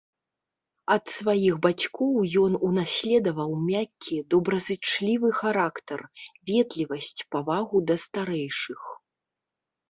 Ад сваіх бацькоў ён унаследаваў мяккі, добразычлівы характар, ветлівасць, павагу да старэйшых.